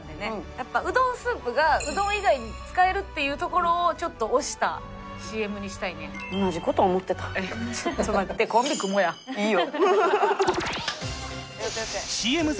やっぱうどんスープがうどん以外に使えるっていうところをちょっと推したＣＭにしたいねちょっと待っていいよ